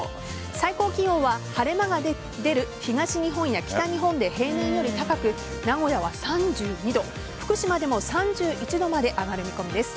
最高気温は晴れ間が出る東日本や北日本で平年より高く名古屋は３２度福島でも３１度まで上がる見込みです。